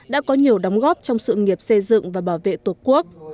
đã có nhiều đóng góp trong sự nghiệp xây dựng và bảo vệ tổ quốc